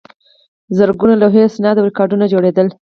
زرګونه لوحې، اسناد او ریکارډونه جوړېدل.